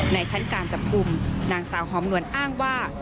ในชั้นการจับปุ่มนางสาวยฮอมรวรนธ์อ้างว่า